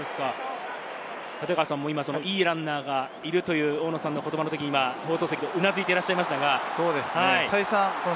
立川さん、今いいランナーがいるという大野さんの言葉の時に放送席でうなずいていらっしゃいましたが。